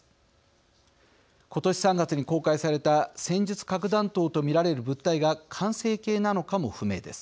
今年３月に公開された戦術核弾頭と見られる物体が完成形なのかも不明です。